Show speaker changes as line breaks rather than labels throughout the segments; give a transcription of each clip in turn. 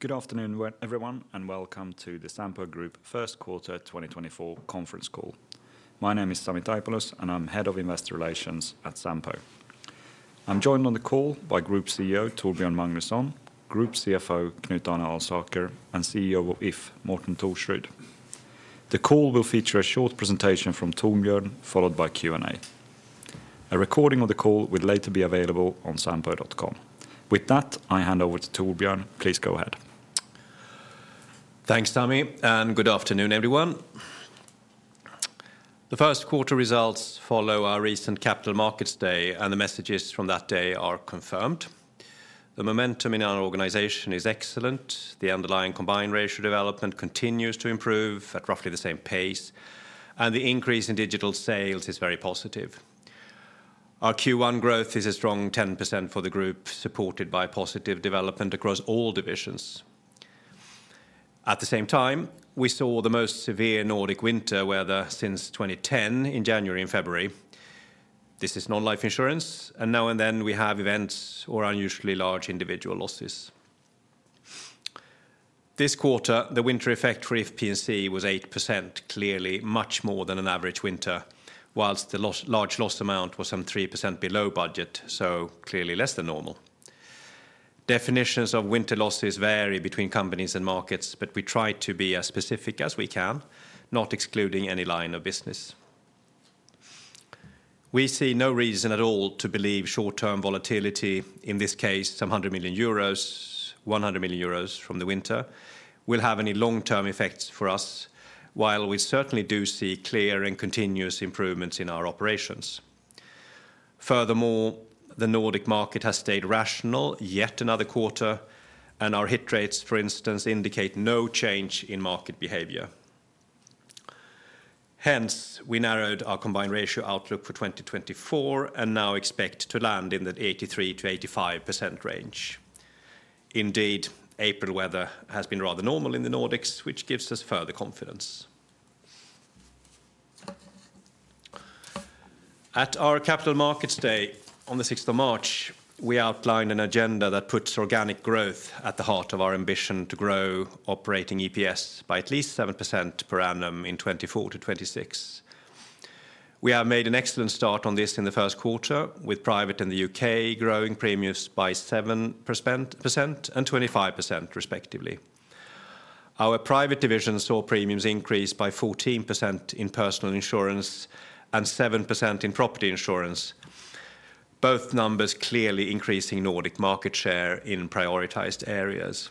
Good afternoon, everyone, and welcome to the Sampo Group First Quarter 2024 conference call. My name is Sami Taipalus, and I'm Head of Investor Relations at Sampo. I'm joined on the call by Group CEO Torbjörn Magnusson, Group CFO Knut Arne Alsaker, and CEO of If, Morten Thorsrud. The call will feature a short presentation from Torbjörn, followed by Q&A. A recording of the call will later be available on sampo.com. With that, I hand over to Torbjörn. Please go ahead.
Thanks, Sami, and good afternoon, everyone. The first quarter results follow our recent Capital Markets Day, and the messages from that day are confirmed. The momentum in our organization is excellent. The underlying combined ratio development continues to improve at roughly the same pace, and the increase in digital sales is very positive. Our Q1 growth is a strong 10% for the group, supported by positive development across all divisions. At the same time, we saw the most severe Nordic winter weather since 2010 in January and February. This is non-life insurance, and now and then we have events or unusually large individual losses. This quarter, the winter effect for If P&C was 8%, clearly much more than an average winter, while the large loss amount was some 3% below budget, so clearly less than normal. Definitions of winter losses vary between companies and markets, but we try to be as specific as we can, not excluding any line of business. We see no reason at all to believe short-term volatility, in this case some 100 million euros, 100 million euros from the winter, will have any long-term effects for us, while we certainly do see clear and continuous improvements in our operations. Furthermore, the Nordic market has stayed rational yet another quarter, and our hit rates, for instance, indicate no change in market behavior. Hence, we narrowed our combined ratio outlook for 2024 and now expect to land in the 83%-85% range. Indeed, April weather has been rather normal in the Nordics, which gives us further confidence. At our Capital Markets Day on the 6th of March, we outlined an agenda that puts organic growth at the heart of our ambition to grow operating EPS by at least 7% per annum in 2024-2026. We have made an excellent start on this in the first quarter, with private and the U.K. growing premiums by 7% and 25%, respectively. Our private division saw premiums increase by 14% in personal insurance and 7% in property insurance, both numbers clearly increasing Nordic market share in prioritized areas.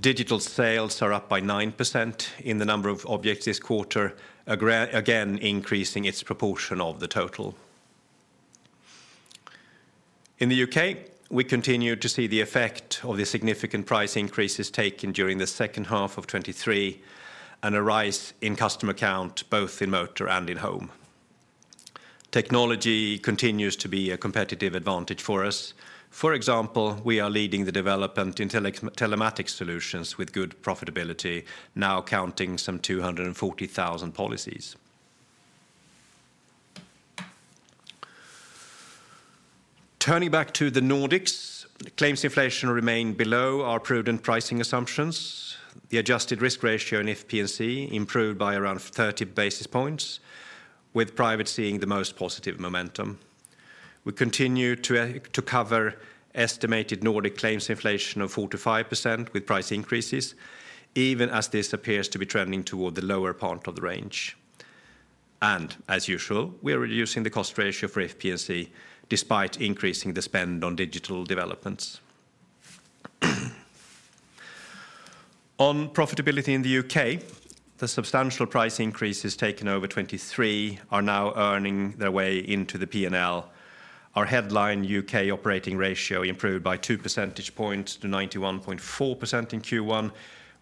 Digital sales are up by 9% in the number of objects this quarter, again increasing its proportion of the total. In the U.K., we continue to see the effect of the significant price increases taken during the second half of 2023 and a rise in customer count both in motor and in home. Technology continues to be a competitive advantage for us. For example, we are leading the development in telematics solutions with good profitability, now counting some 240,000 policies. Turning back to the Nordics, claims inflation remained below our prudent pricing assumptions. The adjusted risk ratio in If P&C improved by around 30 basis points, with private seeing the most positive momentum. We continue to cover estimated Nordic claims inflation of 4%-5% with price increases, even as this appears to be trending toward the lower part of the range. And as usual, we are reducing the cost ratio for If P&C despite increasing the spend on digital developments. On profitability in the U.K., the substantial price increases taken over 2023 are now earning their way into the P&L. Our headline U.K. operating ratio improved by 2 percentage points to 91.4% in Q1,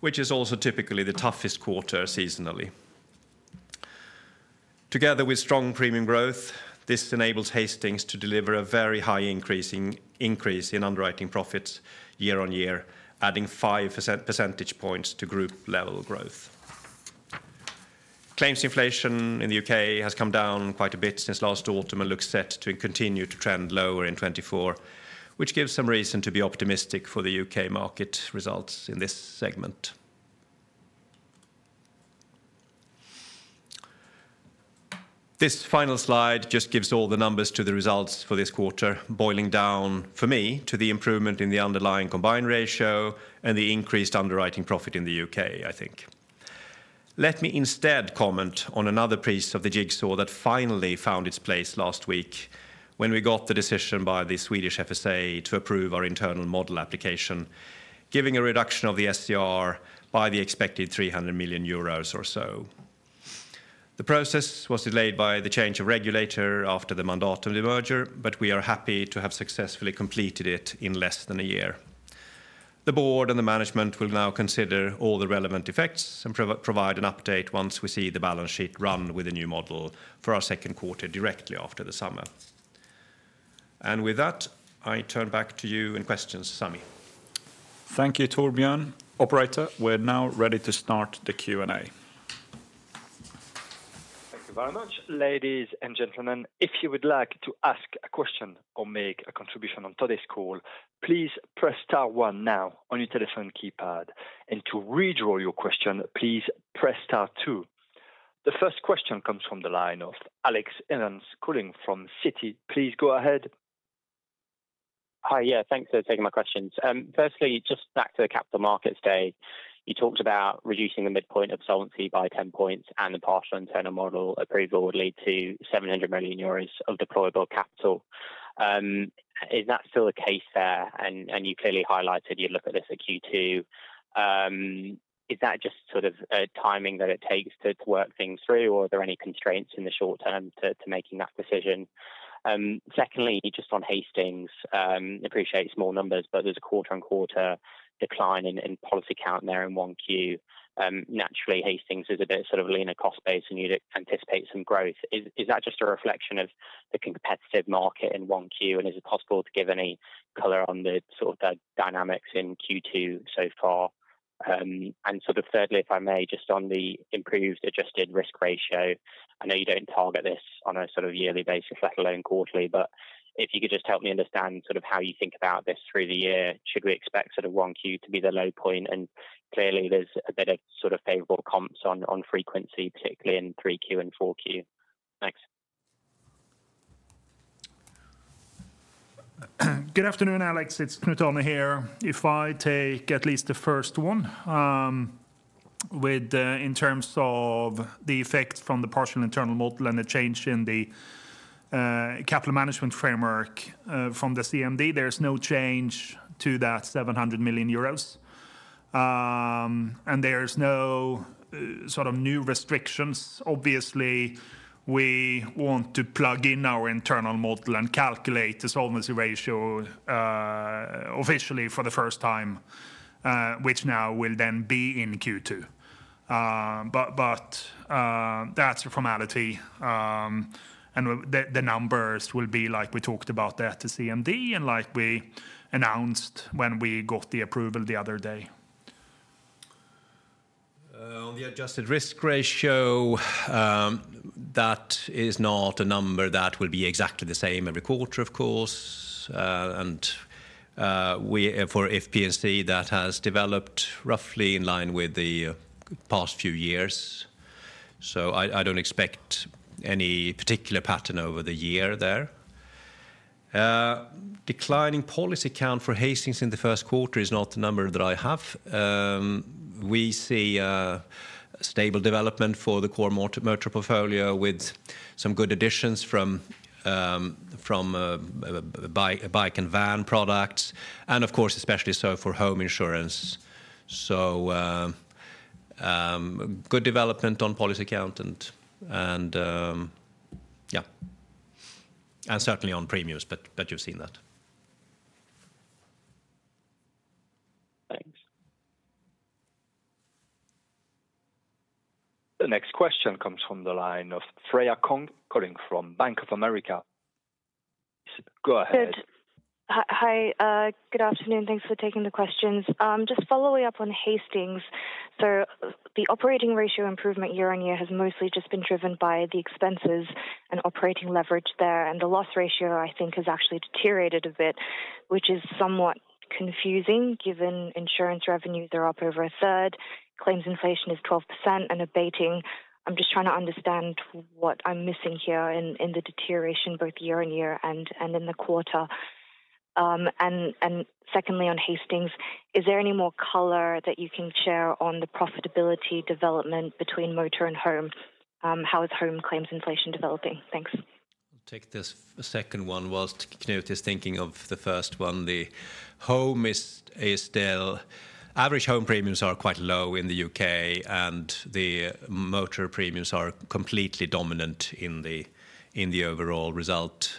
which is also typically the toughest quarter seasonally. Together with strong premium growth, this enables Hastings to deliver a very high increase in underwriting profits year on year, adding 5 percentage points to group-level growth. Claims inflation in the U.K. has come down quite a bit since last autumn and looks set to continue to trend lower in 2024, which gives some reason to be optimistic for the U.K. market results in this segment. This final slide just gives all the numbers to the results for this quarter, boiling down, for me, to the improvement in the underlying combined ratio and the increased underwriting profit in the U.K., I think. Let me instead comment on another piece of the jigsaw that finally found its place last week when we got the decision by the Swedish FSA to approve our internal model application, giving a reduction of the SCR by the expected 300 million euros or so. The process was delayed by the change of regulator after the mandate of the merger, but we are happy to have successfully completed it in less than a year. The board and the management will now consider all the relevant effects and provide an update once we see the balance sheet run with a new model for our second quarter directly after the summer. With that, I turn back to you and questions, Sami.
Thank you, Torbjörn. Operator, we're now ready to start the Q&A.
Thank you very much. Ladies and gentlemen, if you would like to ask a question or make a contribution on today's call, please press star one now on your telephone keypad. To redraw your question, please press star two. The first question comes from the line of Alexander Evans calling from Citi. Please go ahead.
Hi, yeah, thanks for taking my questions. Firstly, just back to the Capital Markets Day. You talked about reducing the midpoint solvency by 10 points and the partial internal model approval would lead to 700 million euros of deployable capital. Is that still the case there? And you clearly highlighted you'd look at this at Q2. Is that just sort of timing that it takes to work things through, or are there any constraints in the short term to making that decision? Secondly, just on Hastings, I appreciate small numbers, but there's a quarter-on-quarter decline in policy count there in 1Q. Naturally, Hastings is a bit sort of leaner cost-based, and you'd anticipate some growth. Is that just a reflection of the competitive market in 1Q? And is it possible to give any color on the sort of dynamics in Q2 so far? And sort of thirdly, if I may, just on the improved adjusted risk ratio, I know you don't target this on a sort of yearly basis, let alone quarterly, but if you could just help me understand sort of how you think about this through the year, should we expect sort of 1Q to be the low point? And clearly, there's a bit of sort of favorable comps on frequency, particularly in 3Q and 4Q. Thanks.
Good afternoon, Alex. It's Knut Alsaker here. If I take at least the first one, in terms of the effect from the partial internal model and the change in the capital management framework from the CMD, there's no change to that 700 million euros. And there's no sort of new restrictions. Obviously, we want to plug in our internal model and calculate the solvency ratio officially for the first time, which now will then be in Q2. But that's a formality. And the numbers will be like we talked about at the CMD and like we announced when we got the approval the other day.
On the adjusted risk ratio, that is not a number that will be exactly the same every quarter, of course. And for If P&C, that has developed roughly in line with the past few years. So I don't expect any particular pattern over the year there. Declining policy count for Hastings in the first quarter is not the number that I have. We see stable development for the core motor portfolio with some good additions from bike and van products, and of course, especially so for home insurance. So good development on policy count. And yeah. And certainly on premiums, but you've seen that.
Thanks. The next question comes from the line of Freya Kong calling from Bank of America. Go ahead.
Hi. Good afternoon. Thanks for taking the questions. Just following up on Hastings. So the operating ratio improvement year-on-year has mostly just been driven by the expenses and operating leverage there. And the loss ratio, I think, has actually deteriorated a bit, which is somewhat confusing given insurance revenues. They're up over a third. Claims inflation is 12% and abating. I'm just trying to understand what I'm missing here in the deterioration both year-on-year and in the quarter. And secondly, on Hastings, is there any more color that you can share on the profitability development between motor and home? How is home claims inflation developing? Thanks.
I'll take this second one whilst Knut is thinking of the first one. The home is still average home premiums are quite low in the U.K., and the motor premiums are completely dominant in the overall result.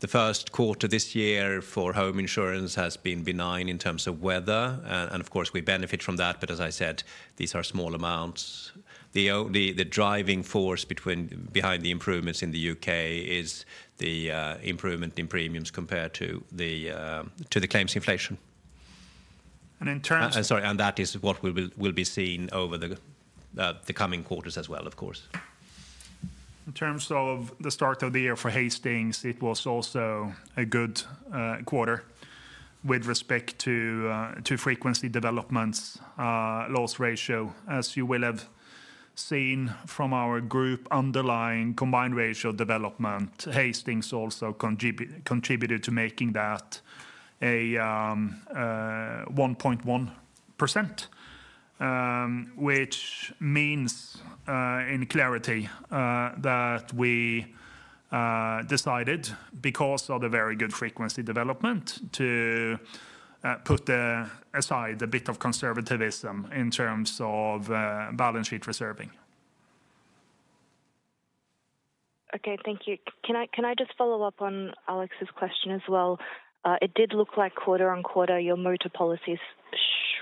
The first quarter this year for home insurance has been benign in terms of weather. Of course, we benefit from that. But as I said, these are small amounts. The driving force behind the improvements in the U.K. is the improvement in premiums compared to the claims inflation.
In terms of.
Sorry. That is what will be seen over the coming quarters as well, of course.
In terms of the start of the year for Hastings, it was also a good quarter with respect to frequency developments, loss ratio. As you will have seen from our group underlying combined ratio development, Hastings also contributed to making that a 1.1%, which means in clarity that we decided, because of the very good frequency development, to put aside a bit of conservatism in terms of balance sheet reserving.
OK, thank you. Can I just follow up on Alex's question as well? It did look like quarter-on-quarter, your motor policies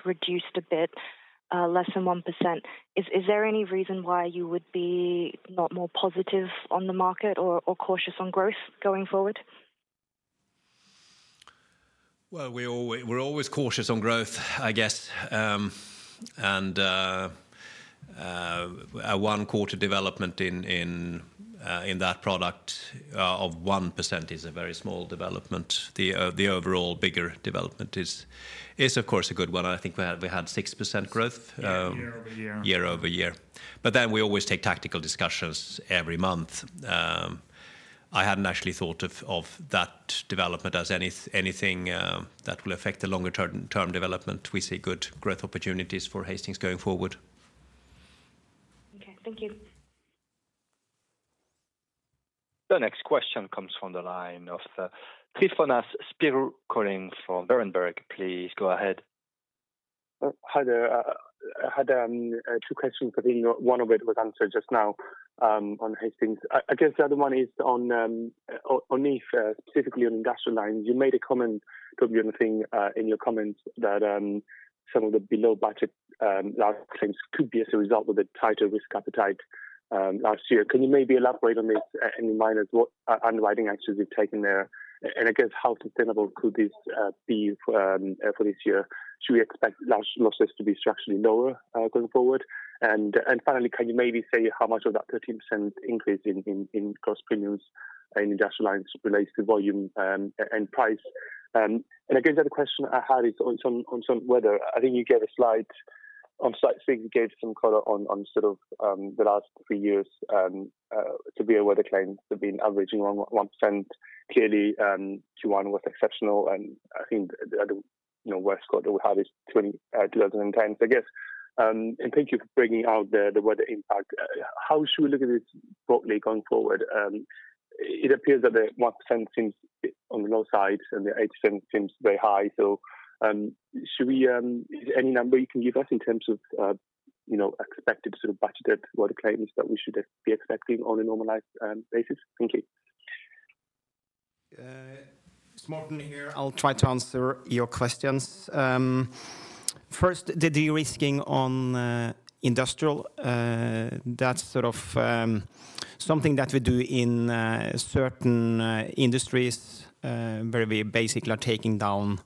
reduced a bit, less than 1%. Is there any reason why you would be not more positive on the market or cautious on growth going forward?
Well, we're always cautious on growth, I guess. One quarter development in that product of 1% is a very small development. The overall bigger development is, of course, a good one. I think we had 6% growth.
Year-over-year.
Year-over-year. But then we always take tactical discussions every month. I hadn't actually thought of that development as anything that will affect the longer-term development. We see good growth opportunities for Hastings going forward.
OK, thank you.
The next question comes from the line of Tryfonas Spyrou calling from Berenberg. Please go ahead.
Hi there. I had two questions. I think one of it was answered just now on Hastings. I guess the other one is on If, specifically on industrial lines. You made a comment, Tobias van der Meer, in your comments that some of the below-budget large claims could be as a result of the tighter risk appetite last year. Can you maybe elaborate on this, in your mind, as to what underwriting actions you've taken there? And I guess how sustainable could this be for this year? Should we expect losses to be structurally lower going forward? And finally, can you maybe say how much of that 13% increase in gross premiums in industrial lines relates to volume and price? And I guess the other question I had is on some weather. I think you gave a slide on small things. You gave some color on sort of the last three years. Severe weather claims have been averaging around 1%. Clearly, Q1 was exceptional. I think the worst quarter we had is 2010. So I guess, and thank you for bringing out the weather impact, how should we look at this broadly going forward? It appears that the 1% seems on the low side, and the 8% seems very high. So is there any number you can give us in terms of expected sort of budgeted weather claims that we should be expecting on a normalized basis? Thank you.
It's Morten here. I'll try to answer your questions. First, the de-risking on industrial, that's sort of something that we do in certain industries where we basically are taking down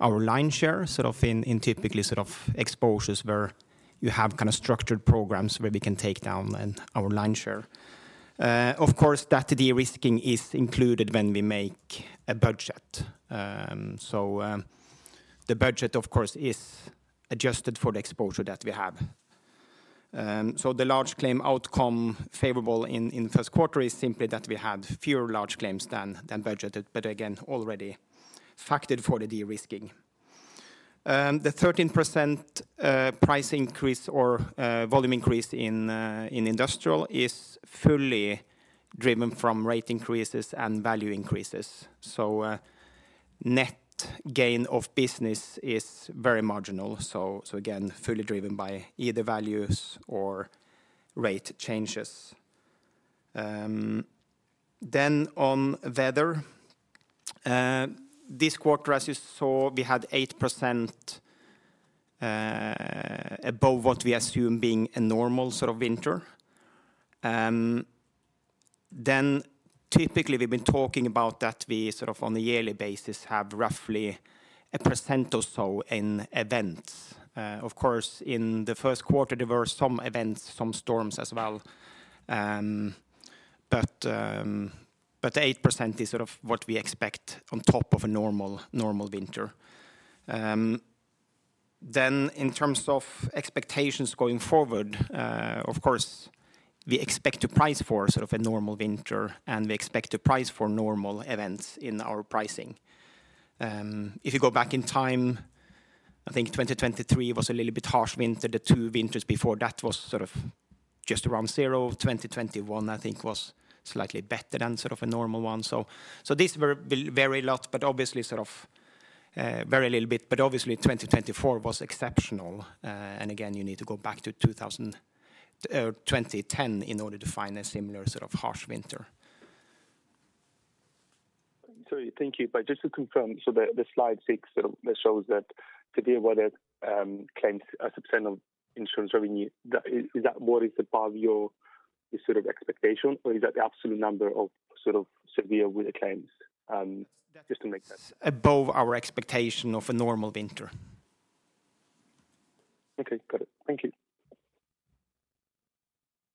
our line share, sort of in typically sort of exposures where you have kind of structured programs where we can take down our line share. Of course, that de-risking is included when we make a budget. The budget, of course, is adjusted for the exposure that we have. The large claim outcome favorable in the first quarter is simply that we had fewer large claims than budgeted, but again, already factored for the de-risking. The 13% price increase or volume increase in industrial is fully driven from rate increases and value increases. Net gain of business is very marginal. Again, fully driven by either values or rate changes.
Then on weather, this quarter, as you saw, we had 8% above what we assume being a normal sort of winter. Then typically, we've been talking about that we sort of on a yearly basis have roughly 1% or so in events. Of course, in the first quarter, there were some events, some storms as well. But the 8% is sort of what we expect on top of a normal winter. Then in terms of expectations going forward, of course, we expect to price for sort of a normal winter, and we expect to price for normal events in our pricing. If you go back in time, I think 2023 was a little bit harsh winter. The two winters before that were sort of just around zero. 2021, I think, was slightly better than sort of a normal one. These vary a lot, but obviously sort of very little bit. Obviously, 2024 was exceptional. Again, you need to go back to 2010 in order to find a similar sort of harsh winter.
Sorry, thank you. But just to confirm, so the slide six, that shows that severe weather claims as a % of insurance revenue, is that what is above your sort of expectation? Or is that the absolute number of sort of severe weather claims? Just to make that.
Above our expectation of a normal winter.
OK, got it. Thank you.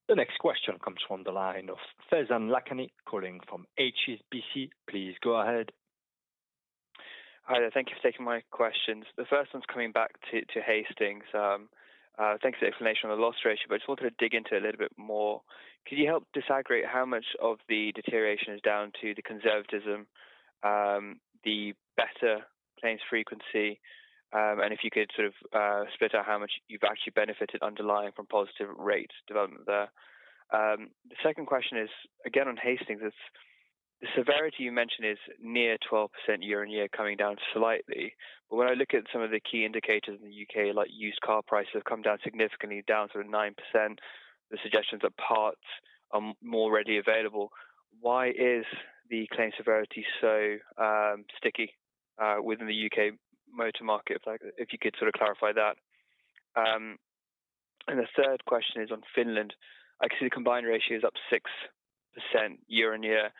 The next question comes from the line of Faizan Lakhani calling from HSBC. Please go ahead.
Hi there. Thank you for taking my questions. The first one's coming back to Hastings. Thanks for the explanation on the loss ratio. But I just wanted to dig into it a little bit more. Could you help disaggregate how much of the deterioration is down to the conservatism, the better claims frequency, and if you could sort of split out how much you've actually benefited underlying from positive rate development there? The second question is, again, on Hastings, the severity you mentioned is near 12% year-over-year, coming down slightly. But when I look at some of the key indicators in the U.K., like used car prices, have come down significantly, down to 9%. The suggestions that parts are more readily available. Why is the claim severity so sticky within the U.K. motor market? If you could sort of clarify that. And the third question is on Finland. I can see the combined ratio is up 6% year-on-year.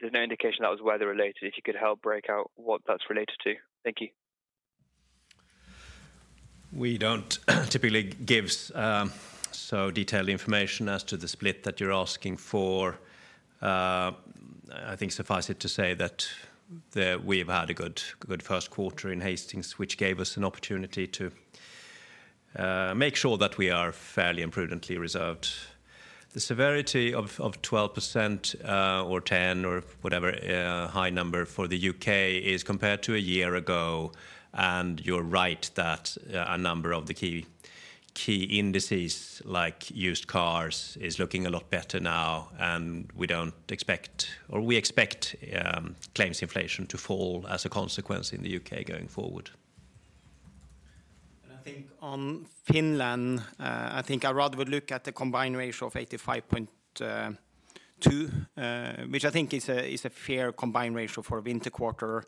There's no indication that was weather-related. If you could help break out what that's related to? Thank you.
We don't typically give so detailed information as to the split that you're asking for. I think suffice it to say that we have had a good first quarter in Hastings, which gave us an opportunity to make sure that we are fairly prudently reserved. The severity of 12% or 10 or whatever high number for the U.K. is compared to a year ago. You're right that a number of the key indices, like used cars, is looking a lot better now. We don't expect or we expect claims inflation to fall as a consequence in the U.K. going forward.
I think on Finland, I think I'd rather look at the combined ratio of 85.2, which I think is a fair combined ratio for a winter quarter.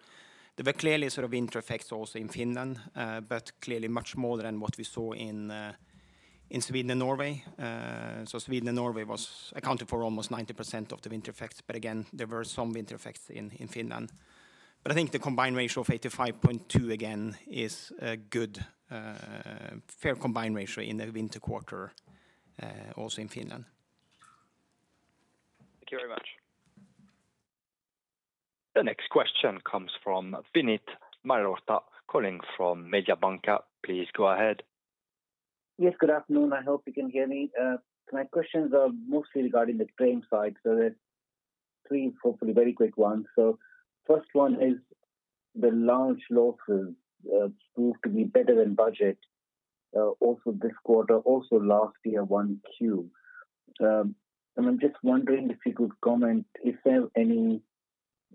There were clearly sort of winter effects also in Finland, but clearly much more than what we saw in Sweden and Norway. Sweden and Norway accounted for almost 90% of the winter effects. Again, there were some winter effects in Finland. I think the combined ratio of 85.2, again, is a good fair combined ratio in the winter quarter also in Finland.
Thank you very much. The next question comes from Vinit Malhotra calling from Mediobanca. Please go ahead.
Yes, good afternoon. I hope you can hear me. My questions are mostly regarding the claims side. So there's three, hopefully very quick ones. So first one is the large losses proved to be better than budget also this quarter, also last year, 1Q. And I'm just wondering if you could comment if there are any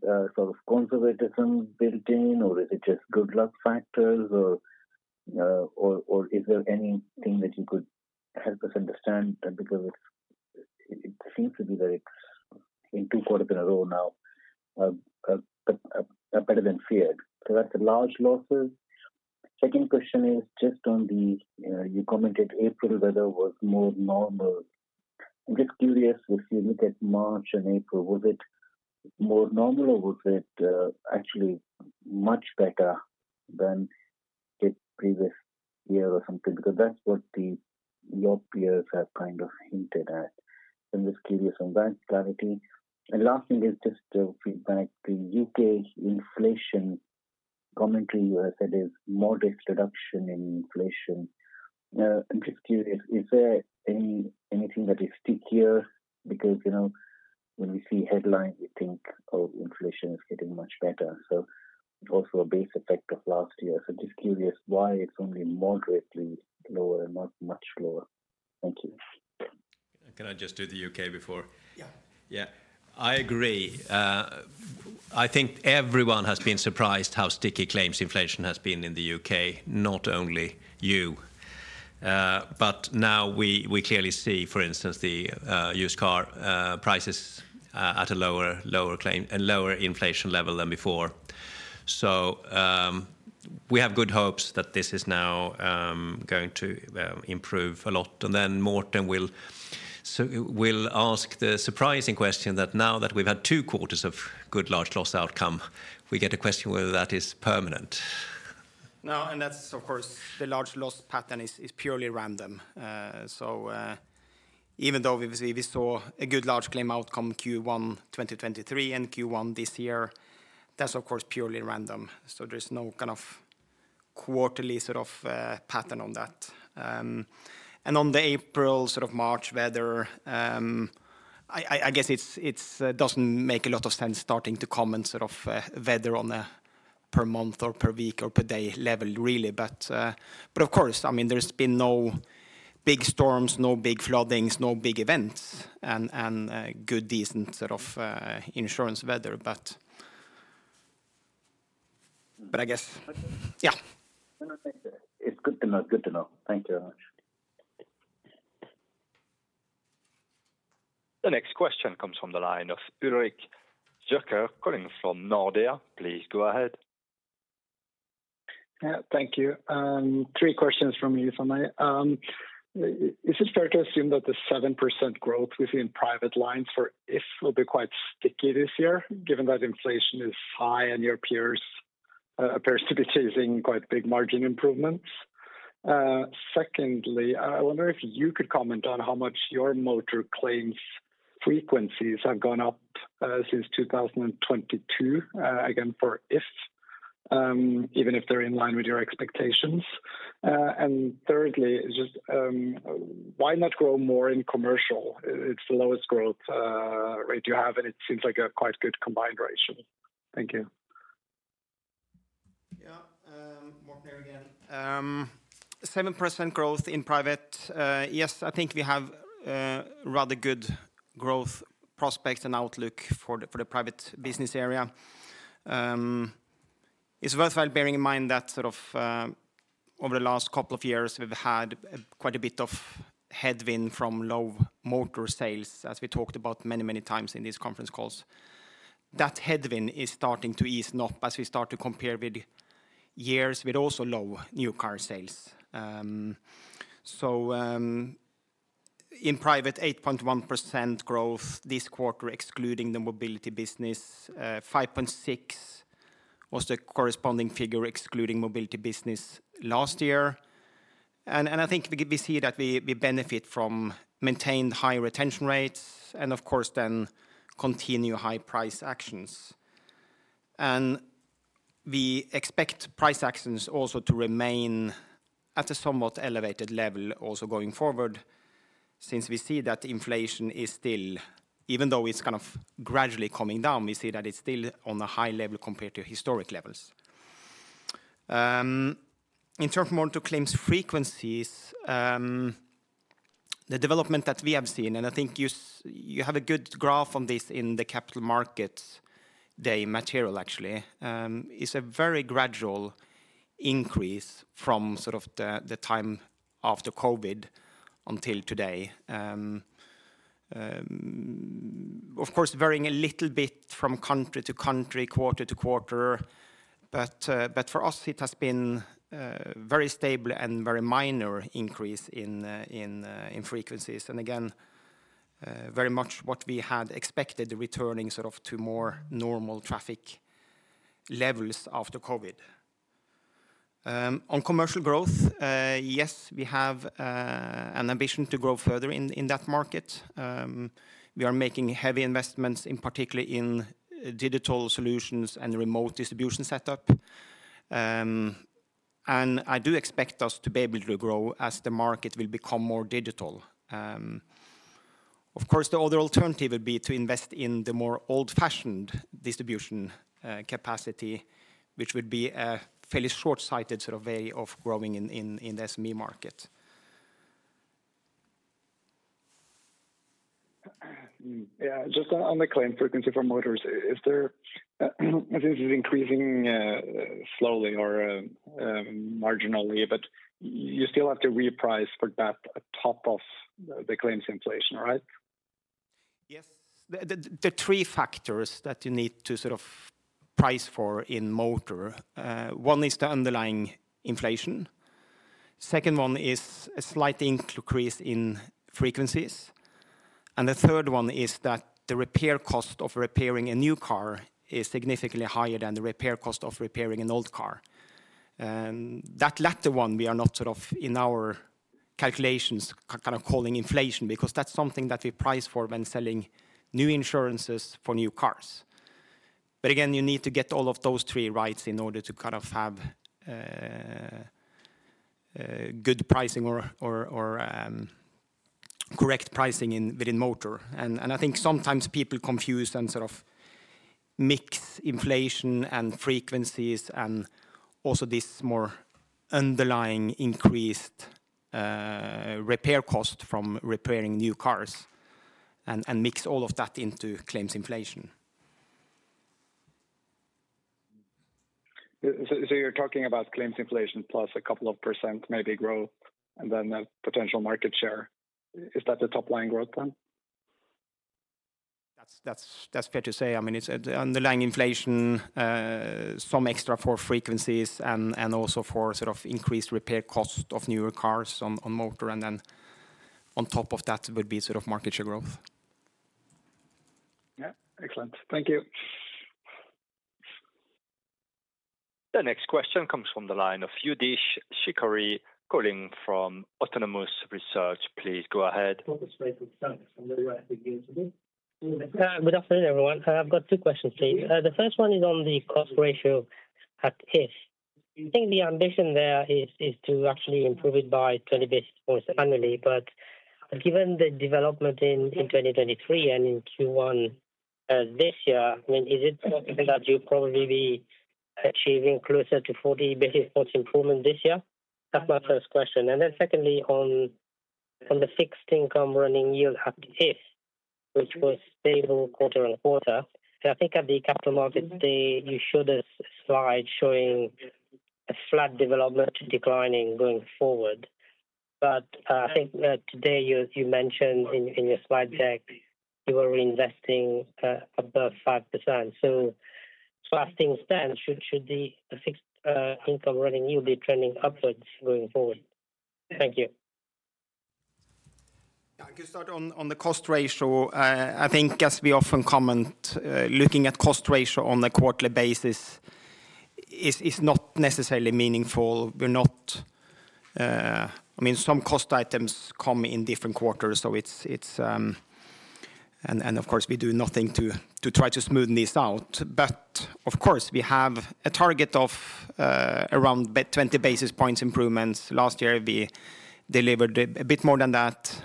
sort of conservatism built in, or is it just good luck factors, or is there anything that you could help us understand? Because it seems to be that it's in two quarters in a row now better than feared. So that's the large losses. Second question is just on the you commented April weather was more normal. I'm just curious, if you look at March and April, was it more normal, or was it actually much better than the previous year or something? Because that's what your peers have kind of hinted at. I'm just curious on that clarity. And last thing is just feedback. The U.K. inflation commentary, you have said, is modest reduction in inflation. I'm just curious, is there anything that is stickier? Because when we see headlines, we think, oh, inflation is getting much better. So. Also a base effect of last year. So I'm just curious why it's only moderately lower and not much lower. Thank you.
Can I just do the U.K. before?
Yeah.
Yeah, I agree. I think everyone has been surprised how sticky claims inflation has been in the U.K., not only you. But now we clearly see, for instance, the used car prices at a lower inflation level than before. So we have good hopes that this is now going to improve a lot. And then Morten will ask the surprising question that now that we've had two quarters of good large loss outcome, we get a question whether that is permanent.
No, and that's, of course, the large loss pattern is purely random. So even though we saw a good large claim outcome Q1 2023 and Q1 this year, that's, of course, purely random. So there's no kind of quarterly sort of pattern on that. And on the April sort of March weather, I guess it doesn't make a lot of sense starting to comment sort of weather on a per month or per week or per day level, really. But of course, I mean, there's been no big storms, no big floodings, no big events, and good, decent sort of insurance weather. But I guess. Yeah.
It's good to know. Good to know. Thank you very much.
The next question comes from the line of Ulrik Zürcher calling from Nordea. Please go ahead.
Yeah, thank you. Three questions from you, Sami. Is it fair to assume that the 7% growth within personal lines for If will be quite sticky this year, given that inflation is high and your peers appear to be chasing quite big margin improvements? Secondly, I wonder if you could comment on how much your motor claims frequencies have gone up since 2022, again, for If, even if they're in line with your expectations. And thirdly, just why not grow more in commercial? It's the lowest growth rate you have, and it seems like a quite good combined ratio. Thank you.
Yeah, Morten there again. 7% growth in private, yes, I think we have rather good growth prospects and outlook for the private business area. It's worthwhile bearing in mind that sort of over the last couple of years, we've had quite a bit of headwind from low motor sales, as we talked about many, many times in these conference calls. That headwind is starting to ease up as we start to compare with years with also low new car sales. So in private, 8.1% growth this quarter, excluding the mobility business. 5.6% was the corresponding figure, excluding mobility business, last year. And I think we see that we benefit from maintained high retention rates and, of course, then continue high price actions. We expect price actions also to remain at a somewhat elevated level also going forward, since we see that inflation is still, even though it's kind of gradually coming down, we see that it's still on a high level compared to historic levels. In terms of motor claims frequencies, the development that we have seen, and I think you have a good graph on this in the Capital Markets Day material, actually, is a very gradual increase from sort of the time after COVID until today. Of course, varying a little bit from country to country, quarter-to-quarter. But for us, it has been a very stable and very minor increase in frequencies. And again, very much what we had expected, the returning sort of to more normal traffic levels after COVID. On commercial growth, yes, we have an ambition to grow further in that market. We are making heavy investments, particularly in digital solutions and remote distribution setup. I do expect us to be able to grow as the market will become more digital. Of course, the other alternative would be to invest in the more old-fashioned distribution capacity, which would be a fairly short-sighted sort of way of growing in the SME market.
Yeah, just on the claim frequency for motors, is there, I think, this is increasing slowly or marginally, but you still have to reprice for that on top of the claims inflation, right?
Yes, the three factors that you need to sort of price for in motor. One is the underlying inflation. Second one is a slight increase in frequencies. And the third one is that the repair cost of repairing a new car is significantly higher than the repair cost of repairing an old car. That latter one, we are not sort of, in our calculations, kind of calling inflation, because that's something that we price for when selling new insurances for new cars. But again, you need to get all of those three right in order to kind of have good pricing or correct pricing within motor. And I think sometimes people confuse and sort of mix inflation and frequencies and also this more underlying increased repair cost from repairing new cars and mix all of that into claims inflation.
So you're talking about claims inflation plus a couple of percent maybe growth and then a potential market share. Is that the top-line growth then?
That's fair to say. I mean, it's underlying inflation, some extra for frequencies, and also for sort of increased repair cost of newer cars on motor. And then on top of that would be sort of market share growth.
Yeah, excellent. Thank you.
The next question comes from the line of Youdish Chicooree calling from Autonomous Research. Please go ahead.
Good afternoon, everyone. I've got two questions, please. The first one is on the cost ratio at If. I think the ambition there is to actually improve it by 20 basis points annually. But given the development in 2023 and in Q1 this year, I mean, is it possible that you'll probably be achieving closer to 40 basis points improvement this year? That's my first question. And then secondly, on the fixed income running yield at If, which was stable quarter on quarter, I think at the Capital Markets Day, you showed us a slide showing a flat development declining going forward. But I think today you mentioned in your slide deck you were reinvesting above 5%. So as things stand, should the fixed income running yield be trending upwards going forward? Thank you.
Yeah, I can start on the cost ratio. I think, as we often comment, looking at cost ratio on a quarterly basis is not necessarily meaningful. I mean, some cost items come in different quarters. Of course, we do nothing to try to smooth this out. Of course, we have a target of around 20 basis points improvements. Last year, we delivered a bit more than that.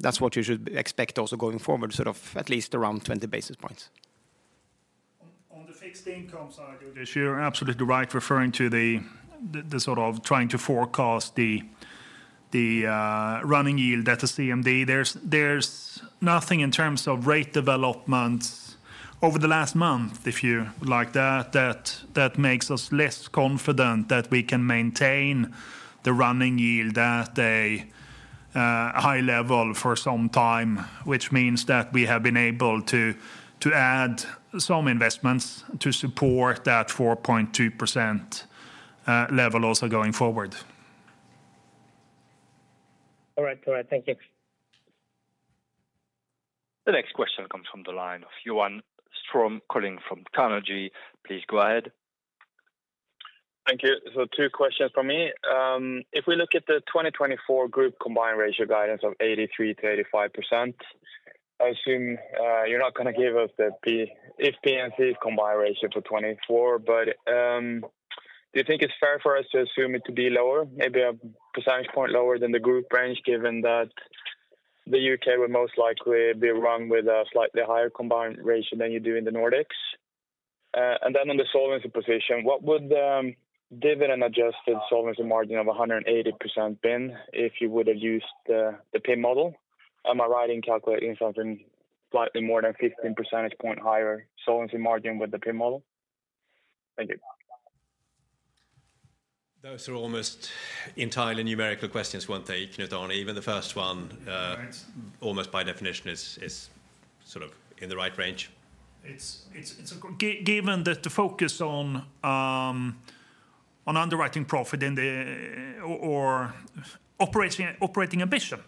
That's what you should expect also going forward, sort of at least around 20 basis points.
On the fixed income side, Youdish, you're absolutely right referring to the sort of trying to forecast the running yield at the CMD. There's nothing in terms of rate development over the last month, if you would like that, that makes us less confident that we can maintain the running yield at a high level for some time, which means that we have been able to add some investments to support that 4.2% level also going forward.
All right, all right. Thank you.
The next question comes from the line of Johan Ström calling from Carnegie. Please go ahead.
Thank you. So two questions from me. If we look at the 2024 group combined ratio guidance of 83%-85%, I assume you're not going to give us the If P&C combined ratio for 2024. But do you think it's fair for us to assume it to be lower, maybe a percentage point lower than the group range, given that the U.K. would most likely be run with a slightly higher combined ratio than you do in the Nordics? And then on the solvency position, what would dividend adjusted solvency margin of 180% been if you would have used the PIM model? Am I right in calculating something slightly more than 15 percentage points higher solvency margin with the PIM model? Thank you.
Those are almost entirely numerical questions, weren't they, Knut Alsaker? Even the first one, almost by definition, is sort of in the right range.
Given that the focus on underwriting profit or operating ambition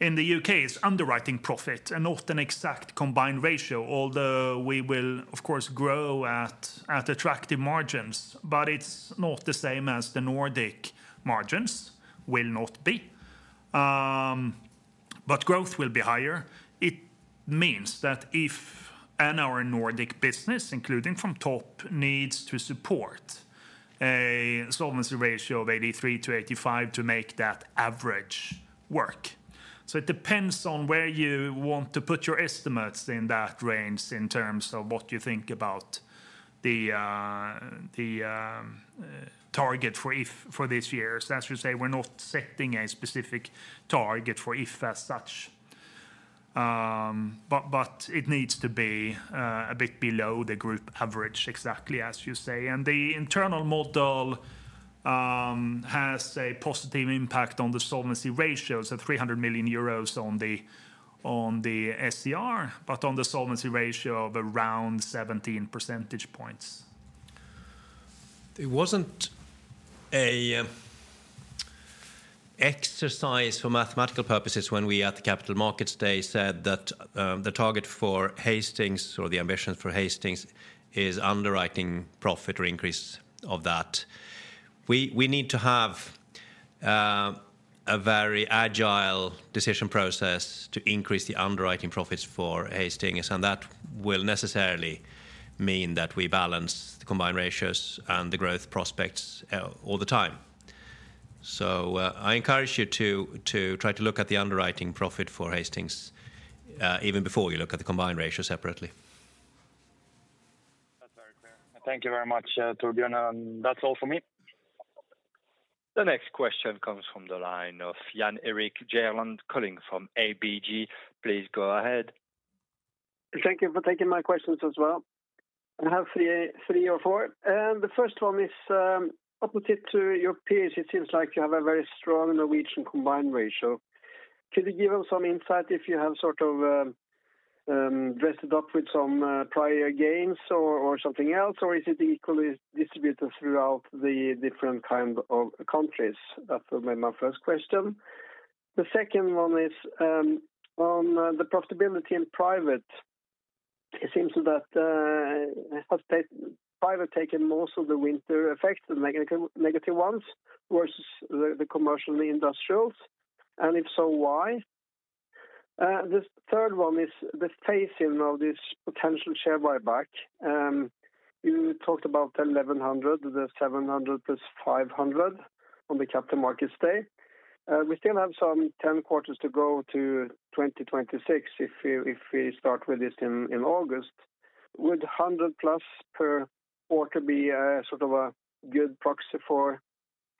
in the U.K. is underwriting profit and not an exact combined ratio, although we will, of course, grow at attractive margins. But it's not the same as the Nordic margins will not be. But growth will be higher. It means that if any of our Nordic business, including from Topdanmark, needs to support a solvency ratio of 83%-85% to make that average work. So it depends on where you want to put your estimates in that range in terms of what you think about the target for IF for this year. So as you say, we're not setting a specific target for IF as such. But it needs to be a bit below the group average, exactly as you say. The internal model has a positive impact on the solvency ratios at 300 million euros on the SCR, but on the solvency ratio of around 17 percentage points.
It wasn't an exercise for mathematical purposes when we at the Capital Markets Day said that the target for Hastings or the ambitions for Hastings is underwriting profit or increase of that. We need to have a very agile decision process to increase the underwriting profits for Hastings. That will necessarily mean that we balance the combined ratios and the growth prospects all the time. I encourage you to try to look at the underwriting profit for Hastings even before you look at the combined ratio separately.
That's very fair. Thank you very much, Torbjörn. That's all for me.
The next question comes from the line of Jan Erik Gjerland calling from ABG. Please go ahead.
Thank you for taking my questions as well. I have three or four. The first one is opposite to your peers. It seems like you have a very strong Norwegian combined ratio. Could you give us some insight if you have sort of dressed it up with some prior gains or something else? Or is it equally distributed throughout the different kind of countries? That may be my first question. The second one is on the profitability in private. It seems that private has taken most of the winter effects, the negative ones, versus the commercial and the industrials. And if so, why? The third one is the phasing of this potential share buyback. You talked about the 1,100, the 700 + 500 on the Capital Markets Day. We still have some 10 quarters to go to 2026 if we start with this in August. Would 100+ per quarter be sort of a good proxy for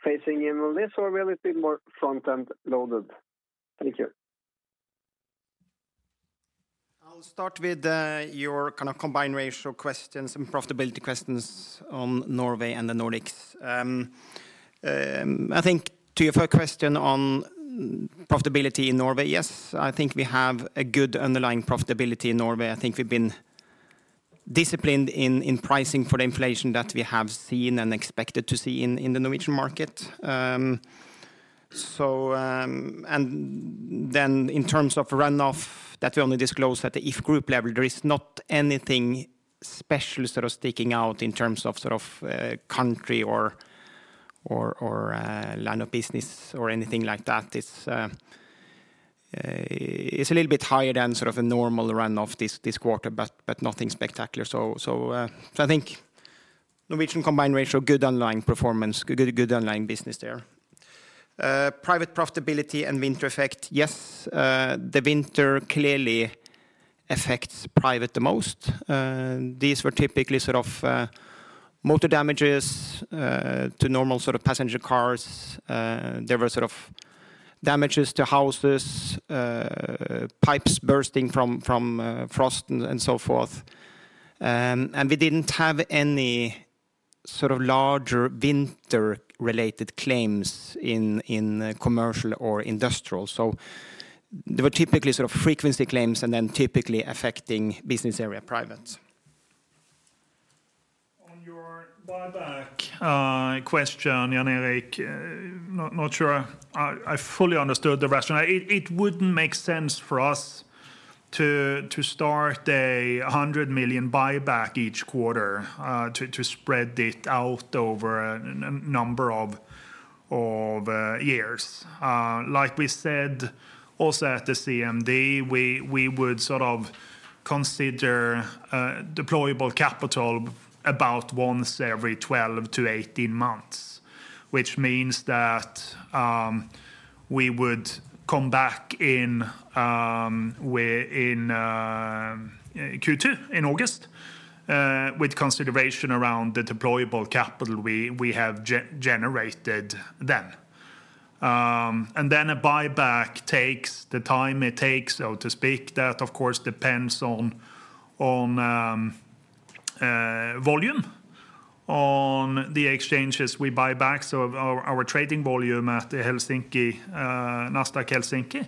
phasing in on this, or will it be more front-end loaded? Thank you.
I'll start with your kind of combined ratio questions and profitability questions on Norway and the Nordics. I think to your first question on profitability in Norway, yes, I think we have a good underlying profitability in Norway. I think we've been disciplined in pricing for the inflation that we have seen and expected to see in the Norwegian market. And then in terms of run-off that we only disclose at the If Group level, there is not anything special sort of sticking out in terms of sort of country or line of business or anything like that. It's a little bit higher than sort of a normal run-off this quarter, but nothing spectacular. So I think Norwegian combined ratio, good underlying performance, good underlying business there. Private profitability and winter effect, yes, the winter clearly affects private the most. These were typically sort of motor damages to normal sort of passenger cars. There were sort of damages to houses, pipes bursting from frost and so forth. We didn't have any sort of larger winter-related claims in commercial or industrial. There were typically sort of frequency claims and then typically affecting business area private.
On your buyback question, Jan Erik, not sure I fully understood the rationale. It wouldn't make sense for us to start a 100 million buyback each quarter, to spread it out over a number of years. Like we said also at the CMD, we would sort of consider deployable capital about once every 12-18 months, which means that we would come back in Q2 in August with consideration around the deployable capital we have generated then. And then a buyback takes the time it takes, so to speak. That, of course, depends on volume, on the exchanges we buy back, so our trading volume at the Nasdaq Helsinki,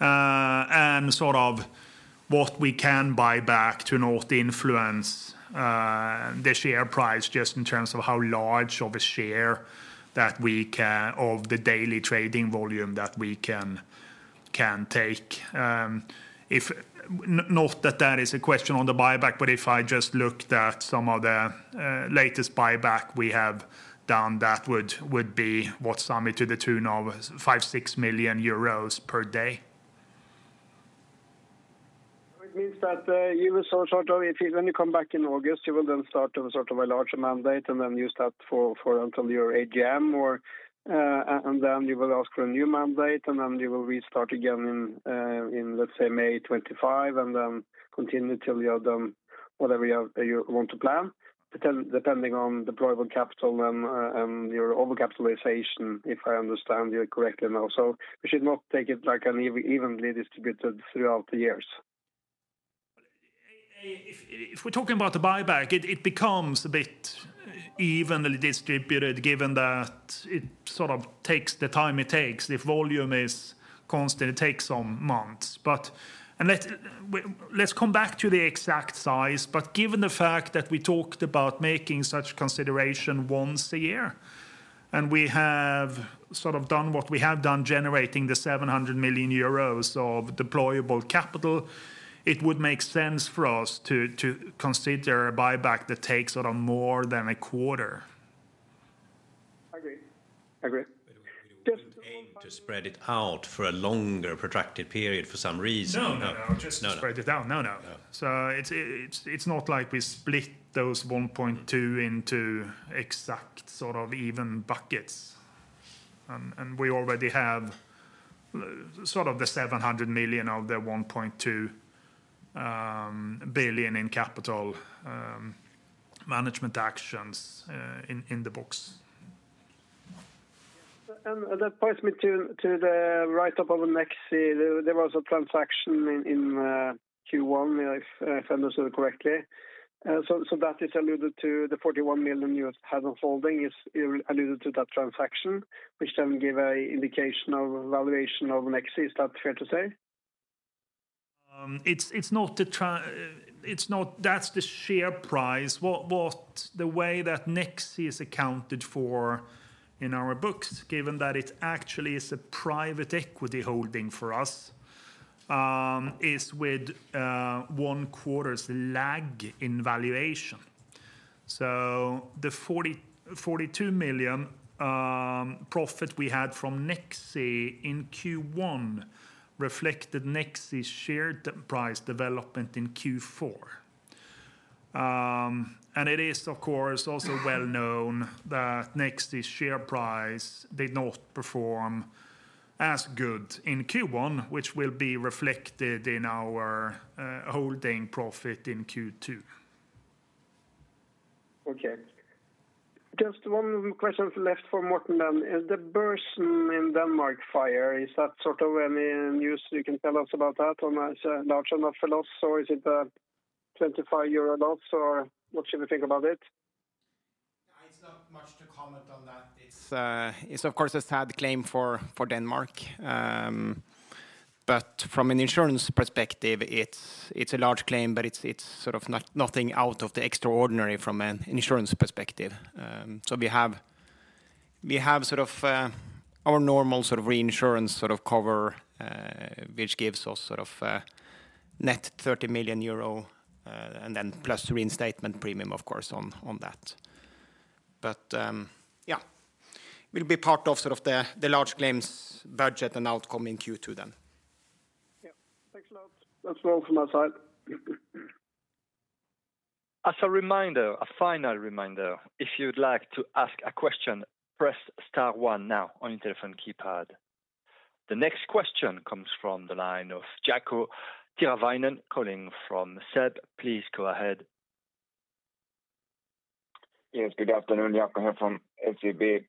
and sort of what we can buy back to not influence the share price just in terms of how large of a share that we can of the daily trading volume that we can take. Not that that is a question on the buyback, but if I just looked at some of the latest buyback we have done, that would be what sums it to the tune of 5-6 million euros per day.
It means that you will sort of if you only come back in August, you will then start with sort of a larger mandate and then use that for until your AGM. And then you will ask for a new mandate, and then you will restart again in, let's say, May 2025 and then continue till you have done whatever you want to plan, depending on deployable capital and your over-capitalization, if I understand you correctly now. So we should not take it like an evenly distributed throughout the years.
If we're talking about the buyback, it becomes a bit evenly distributed given that it sort of takes the time it takes. If volume is constant, it takes some months. Let's come back to the exact size. Given the fact that we talked about making such consideration once a year and we have sort of done what we have done generating the 700 million euros of deployable capital, it would make sense for us to consider a buyback that takes sort of more than a quarter.
I agree. I agree.
But we don't aim to spread it out for a longer protracted period for some reason.
No, no, no. Just spread it out. No, no. So it's not like we split those 1.2 billion into exact sort of even buckets. And we already have sort of the 700 million of the 1.2 billion in capital management actions in the books.
That points me to the write-up of Nexi. There was a transaction in Q1, if I understood it correctly. That is alluded to. The 41 million you have held on holding is alluded to that transaction, which then gave an indication of valuation of Nexi. Is that fair to say?
It's not. That's the share price. The way that Nexi is accounted for in our books, given that it actually is a private equity holding for us, is with one quarter's lag in valuation. So the 42 million profit we had from Nexi in Q1 reflected Nexi's share price development in Q4. And it is, of course, also well known that Nexi's share price did not perform as good in Q1, which will be reflected in our holding profit in Q2.
Okay. Just one question left for Morten then. Is the Børsen in Denmark fire? Is that sort of any news you can tell us about that on a large enough loss? Or is it a 25 euro loss? Or what should we think about it?
It's not much to comment on that. It's, of course, a sad claim for Denmark. But from an insurance perspective, it's a large claim, but it's sort of nothing out of the extraordinary from an insurance perspective. So we have sort of our normal sort of reinsurance sort of cover, which gives us sort of net 30 million euro and then plus reinstatement premium, of course, on that. But yeah, it will be part of sort of the large claims budget and outcome in Q2 then.
Yeah. Thanks a lot. That's all from my side.
As a reminder, a final reminder, if you'd like to ask a question, press star one now on your telephone keypad. The next question comes from the line of Jaakko Tyrväinen calling from SEB. Please go ahead.
Yes, good afternoon. Jaakko here from SEB.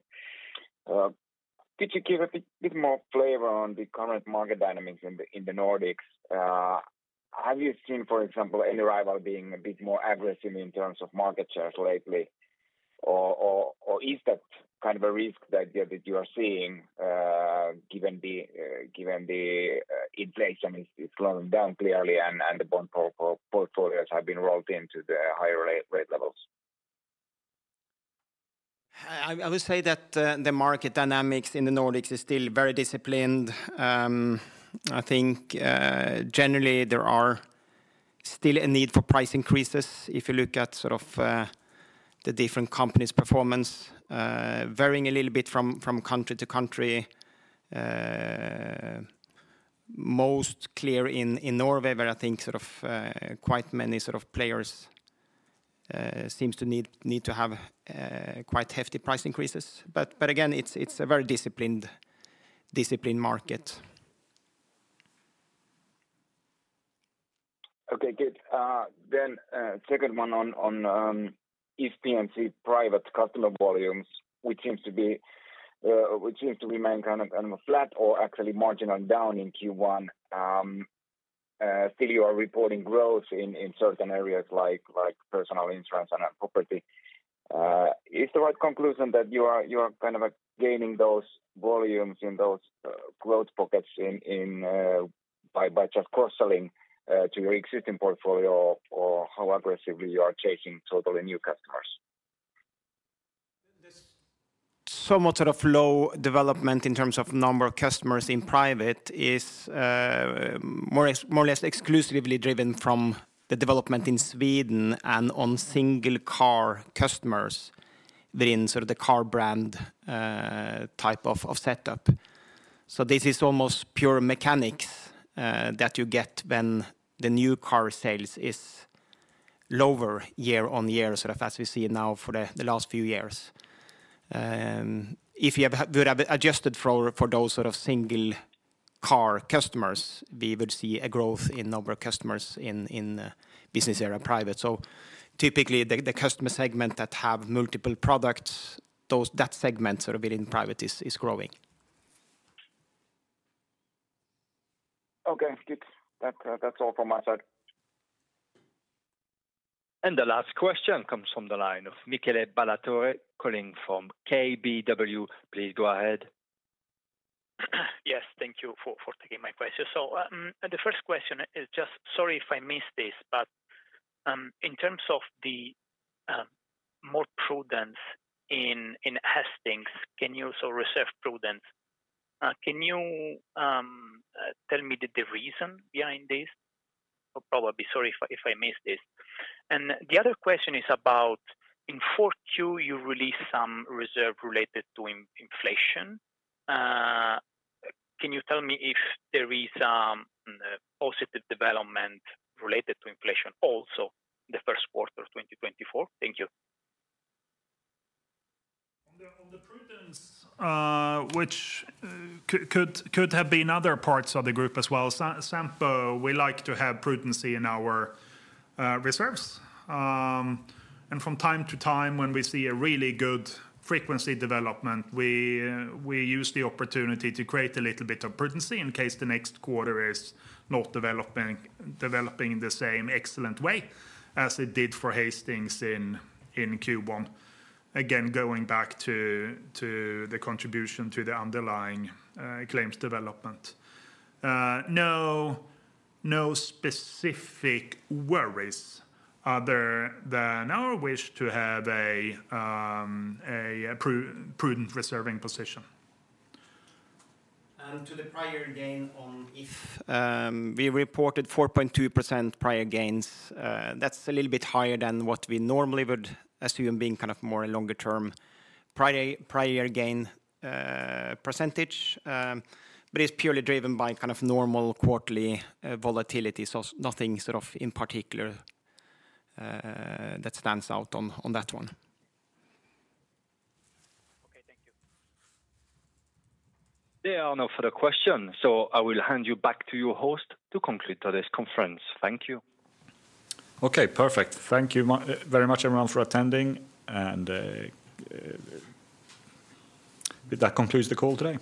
Could you give a bit more flavor on the current market dynamics in the Nordics? Have you seen, for example, any rival being a bit more aggressive in terms of market shares lately? Or is that kind of a risk that you are seeing given the inflation is slowing down clearly and the bond portfolios have been rolled into the higher rate levels?
I would say that the market dynamics in the Nordics are still very disciplined. I think generally, there are still a need for price increases if you look at sort of the different companies' performance, varying a little bit from country to country. Most clear in Norway, where I think sort of quite many sort of players seem to need to have quite hefty price increases. But again, it's a very disciplined market.
Okay, good. Then second one on If P&C private customer volumes, which seems to remain kind of flat or actually marginal down in Q1. Still, you are reporting growth in certain areas like personal insurance and property. Is the right conclusion that you are kind of gaining those volumes in those growth pockets by just cross-selling to your existing portfolio or how aggressively you are chasing totally new customers?
This somewhat sort of low development in terms of number of customers in private is more or less exclusively driven from the development in Sweden and on single-car customers within sort of the car brand type of setup. So this is almost pure mechanics that you get when the new car sales is lower year-on-year, sort of as we see now for the last few years. If you would have adjusted for those sort of single-car customers, we would see a growth in number of customers in business area private. So typically, the customer segment that have multiple products, that segment sort of within private is growing.
Okay, good. That's all from my side.
The last question comes from the line of Michele Ballatore calling from KBW. Please go ahead.
Yes, thank you for taking my question. So the first question is just sorry if I missed this, but in terms of the more prudence in Hastings, can you also reserve prudence? Can you tell me the reason behind this? Or probably sorry if I missed this. And the other question is about in 4Q, you released some reserve related to inflation. Can you tell me if there is a positive development related to inflation also in the first quarter of 2024? Thank you.
On the prudence, which could have been other parts of the group as well. Sampo, we like to have prudence in our reserves. From time to time, when we see a really good frequency development, we use the opportunity to create a little bit of prudence in case the next quarter is not developing in the same excellent way as it did for Hastings in Q1. Again, going back to the contribution to the underlying claims development. No specific worries other than our wish to have a prudent reserving position.
To the prior gain on IF, we reported 4.2% prior gains. That's a little bit higher than what we normally would assume being kind of more a longer-term prior gain percentage. It's purely driven by kind of normal quarterly volatility. Nothing sort of in particular that stands out on that one. Okay, thank you.
There are no further questions. I will hand you back to your host to conclude today's conference. Thank you.
Okay, perfect. Thank you very much, everyone, for attending. That concludes the call today.